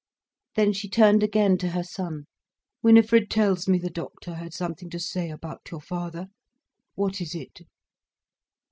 Then she turned again to her son. "Winifred tells me the doctor had something to say about your father. What is it?"